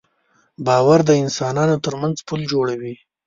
باور د انسانانو تر منځ پُل جوړوي.